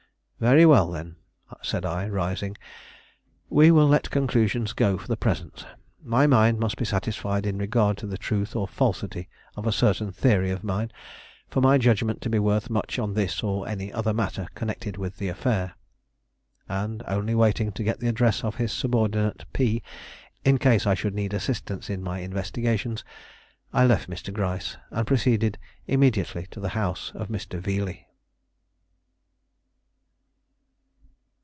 "Very well, then," said I, rising; "we will let conclusions go for the present. My mind must be satisfied in regard to the truth or falsity of a certain theory of mine, for my judgment to be worth much on this or any other matter connected with the affair." And, only waiting to get the address of his subordinate P., in case I should need assistance in my investigations, I left Mr. Gryce, and proceeded immediately to the house of Mr. Veeley.